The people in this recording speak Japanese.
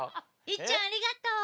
いっちゃんありがとう！